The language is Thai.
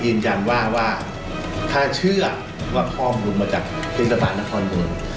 ยึนยันว่าว่าถ้าเชื่อว่าคอมรุงมาจากทะเจ้าบันนะคอนดนตร์